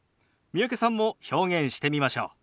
三宅さんも表現してみましょう。